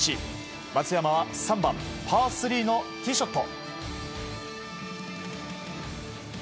松山は３番パー３のティーショット。